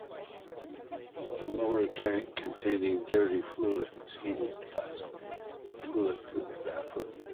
The lower tank containing dirty fluid is heated causing the fluid to evaporate.